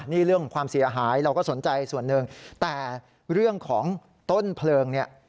นี่เรื่องความเสียหายเราก็สนใจส่วนหนึ่งแต่เรื่องของต้นเพลิงเนี่ย